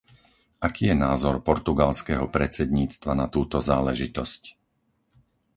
Aký je názor portugalského predsedníctva na túto záležitosť?